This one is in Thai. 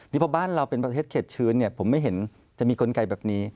นี่เพราะบ้านเราเป็นประเทศเข็ดชื้นผมไม่เห็นจะมีกลไกแบบนี้